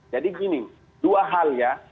jadi gini dua hal ya